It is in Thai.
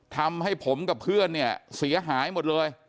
ทำให้ผมกับเพื่อนเนี่ยเสียหายหมดเลย